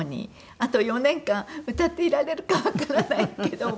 あと４年間歌っていられるかわからないけども。